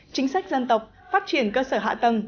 chính sách dân tộc phát triển cơ sở hạ tầng